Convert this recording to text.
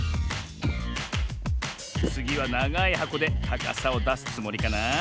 つぎはながいはこでたかさをだすつもりかな？